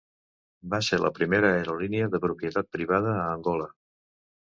Va ser la primera aerolínia de propietat privada a Angola.